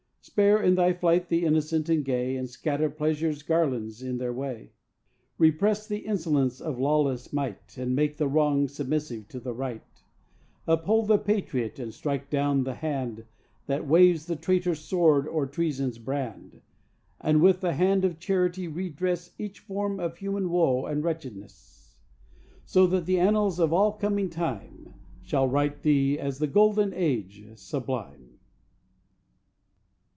Spare in thy flight the innocent and gay And scatter pleasureâs garlands in their way; Repress the insolence of lawless might, And make the wrong submissive to the right; Uphold the patriot and strike down the hand That waves the traitorâs sword or treasonâs brand And with the hand of charity redress Each form of human woe and wretchedness, So that the annals of all coming time Shall write thee as the Golden Age sublime.